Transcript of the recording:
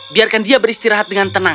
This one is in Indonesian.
biarkan dia beristirahat dengan tenang